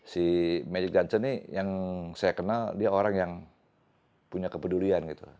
si magic johnson yang saya kenal dia orang yang punya kepedulian